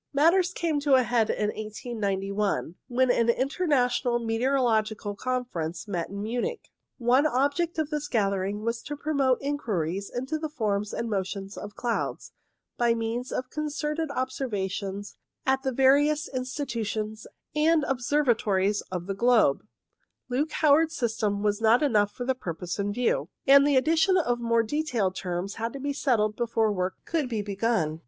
* Matters came to a head in 1891, when an Inter national Meteorological Conference met at Munich. One object of this gathering was to promote in quiries into the forms and motions of clouds, by means of concerted observations at the various * See reference No. 2 on p. i8i. C 10 INTRODUCTORY institutes and observatories of the globe. Luke Howard's system was not enough for the purpose in view, and the addition of more detailed terms had to be settled before work could be begun.